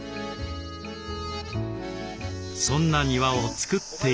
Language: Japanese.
そんな庭をつくっているのが。